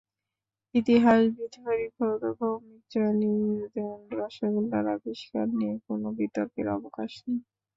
ইতিহাসবিদ হরিপদ ভৌমিক জানিয়ে দেন, রসগোল্লার আবিষ্কার নিয়ে কোনো বিতর্কের অবকাশ নেই।